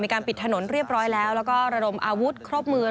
ปิดถนนเรียบร้อยแล้วแล้วก็ระดมอาวุธครบมือ